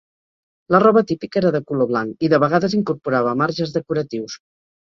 La roba típica era de color blanc, i de vegades incorporava marges decoratius.